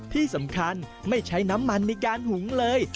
ที่สำคัญไม่ใช้น้ำมันในการหุงเลย